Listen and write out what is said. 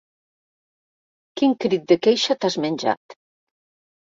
Quin crit de queixa t'has menjat!